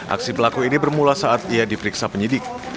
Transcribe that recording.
aksi pelaku ini bermula saat ia diperiksa penyidik